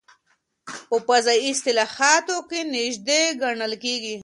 په فضایي اصطلاحاتو کې نژدې ګڼل کېږي.